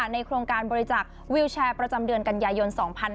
ในโครงการบริจักษ์วิวแชร์ประจำเดือนกันยายน๒๕๕๙